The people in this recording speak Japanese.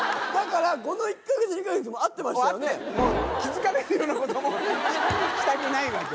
気付かれるようなこともしたくないわけ。